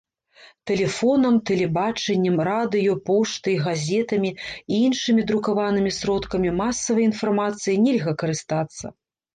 Тэлефонам, тэлебачаннем, радыё, поштай, газетамі і іншымі друкаванымі сродкамі масавай інфармацыі нельга карыстацца.